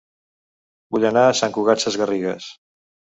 Vull anar a Sant Cugat Sesgarrigues